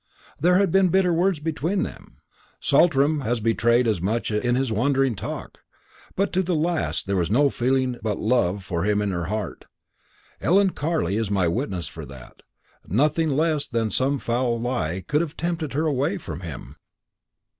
There had been bitter words between them. Saltram has betrayed as much in his wandering talk; but to the last there was no feeling but love for him in her heart. Ellen Carley is my witness for that; nothing less than some foul lie could have tempted her away from him."